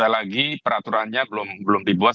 lagi peraturannya belum dibuat